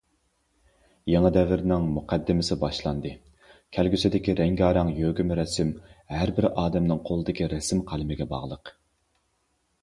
يېڭى دەۋرنىڭ مۇقەددىمىسى باشلاندى، كەلگۈسىدىكى رەڭگارەڭ يۆگىمە رەسىم ھەربىر ئادەمنىڭ قولىدىكى رەسىم قەلىمىگە باغلىق.